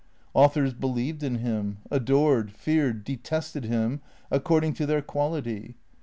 Authors believed in him, adored, feared, detested him, according to their quality.